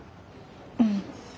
うん。